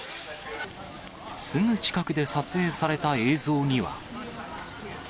すぐ近くで撮影された映像には。